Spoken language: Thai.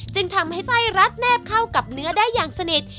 จึงทำให้ไส้รัดแนบเข้ากับเนื้อได้อย่างสนิท